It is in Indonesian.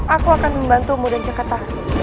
aku akan membantumu dan jakarta